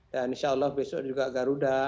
dan insya allah besok juga garuda